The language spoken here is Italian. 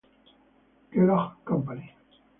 Kellogg Company".